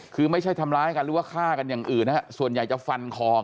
คือไม่ใช่ทำร้ายกันหรือว่าฆ่ากันอย่างอื่นฮะส่วนใหญ่จะฟันคอ